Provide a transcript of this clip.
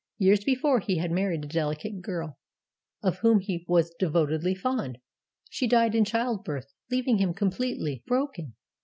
Years before he had married a delicate girl, of whom he was devotedly fond. She died in childbirth, leaving him completely broken.